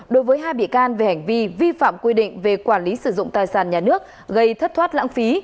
đối với hai bị can về hành vi vi phạm quy định về quản lý sử dụng tài sản nhà nước gây thất thoát lãng phí